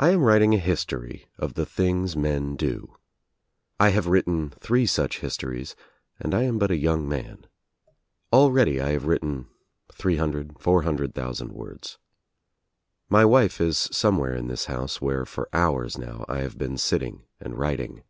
T AM writing a history of the things men do. I have ■* written three such histories and I am but a young man. Already I have written three hundred, four hundred thousand words. My wife is somewhere in this house where for hours now I have been sitting and writing.